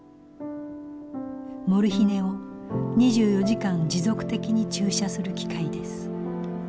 モルヒネを２４時間持続的に注射する機械です。